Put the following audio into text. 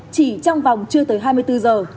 chỉ trong vòng chưa tới hai mươi bốn giờ